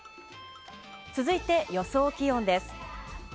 続いて、予想気温です。